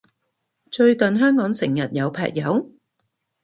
最近香港成日有劈友？